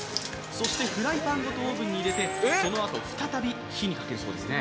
そしてフライパンごとオーブンに入れてそのあと再び火にかけるそうですね。